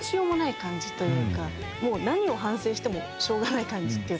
もう何を反省してもしょうがない感じっていうか。